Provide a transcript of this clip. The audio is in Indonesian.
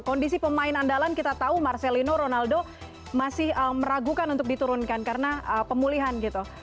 kondisi pemain andalan kita tahu marcelino ronaldo masih meragukan untuk diturunkan karena pemulihan gitu